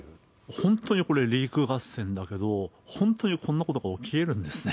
本当にこれ、リーク合戦だけど、本当にこんなことが起きえるんですね。